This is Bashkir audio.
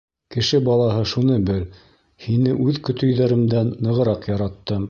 Кеше балаһы, шуны бел: һине үҙ көтөйҙәремдән нығыраҡ яраттым.